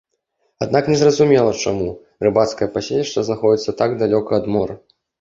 Аднак незразумела чаму рыбацкае паселішча знаходзіцца так далёка ад мора.